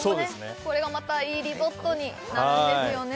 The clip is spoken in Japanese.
これがまたいいリゾットになるんですよね